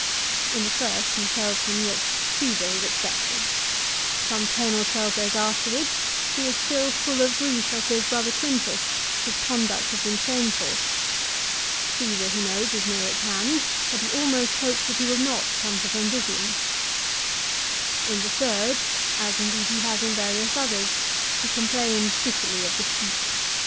In the first he tells him that Caesar is expected. Some ten or twelve days afterwards he is still full of grief as to his brother Quintus, whose conduct has been shameful. Caesar he knows is near at hand, but he almost hopes that he will not come to Brundisium, In the third, as indeed he has in various others, he complains bitterly of the heat.